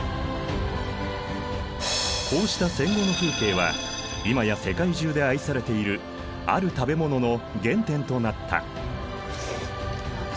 こうした戦後の風景は今や世界中で愛されているある食べ物の原点となった。